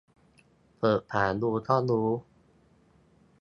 เปิดฝาดูก็รู้